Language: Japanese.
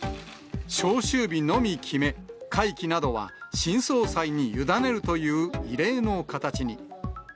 召集日のみ決め、会期などは新総裁に委ねるという異例の形に。